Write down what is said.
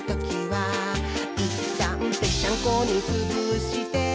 「いったんぺっちゃんこにつぶして」